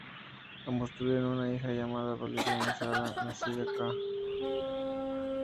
Ambos tuvieron una hija, llamada Valeria Mesala, nacida ca.